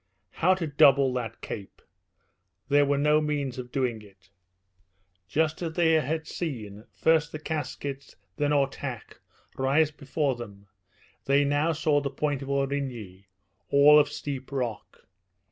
How to double that cape? There were no means of doing it. Just as they had seen, first the Caskets, then Ortach, rise before them, they now saw the point of Aurigny, all of steep rock.